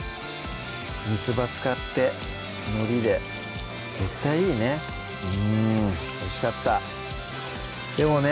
みつば使ってのりで絶対いいねうんおいしかったでもね